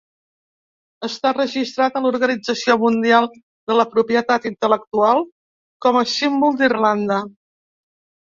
Està registrat a l'Organització Mundial de la Propietat Intel·lectual com a símbol d'Irlanda.